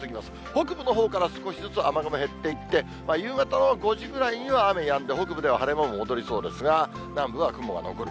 北部のほうから少しずつ雨雲減っていて、夕方の５時ぐらいには雨やんで、北部では晴れ間も戻りそうですが、南部は雲が残る。